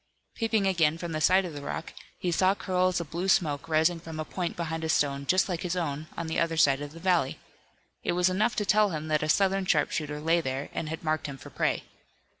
Peeping again from the side of the rock, he saw curls of blue smoke rising from a point behind a stone just like his own on the other side of the valley. It was enough to tell him that a Southern sharpshooter lay there and had marked him for prey.